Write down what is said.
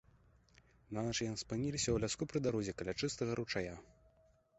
Нанач яны спыніліся ў ляску пры дарозе каля чыстага ручая.